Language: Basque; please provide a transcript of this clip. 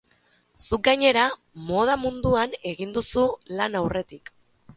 Zuk, gainera, moda munduan egin duzu lan aurretik.